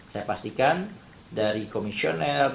saya pastikan dari komisioner